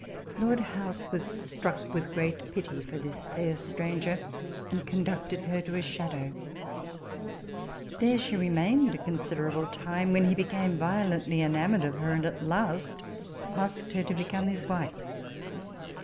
Lord Howth was struck with great pity for this fair stranger, and conducted her to his chateau. There TABLE TALK OF SAMUEL ROGERS 127 she remained a considerable time, when he became violently enamoured of her, and at last asked her to become his wife.